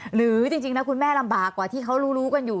หรือจริงนะคุณแม่ลำบากกว่าที่เขารู้กันอยู่